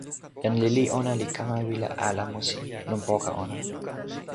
jan lili ona li kama wile ala musi lon poka ona.